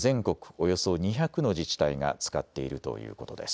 およそ２００の自治体が使っているということです。